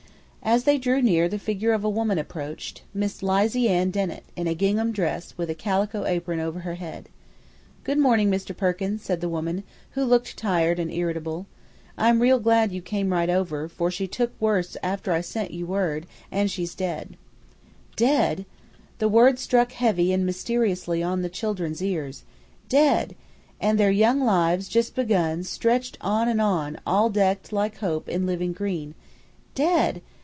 As they drew near the figure of a woman approached Mrs. Lizy Ann Dennett, in a gingham dress, with a calico apron over her head. "Good morning, Mr. Perkins," said the woman, who looked tired and irritable. "I'm real glad you come right over, for she took worse after I sent you word, and she's dead." Dead! The word struck heavily and mysteriously on the children's ears. Dead! And their young lives, just begun, stretched on and on, all decked, like hope, in living green. Dead!